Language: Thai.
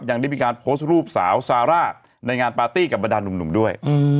ยังได้มีการโพสต์รูปสาวซาร่าในงานปาร์ตี้กับบรรดานหนุ่มด้วย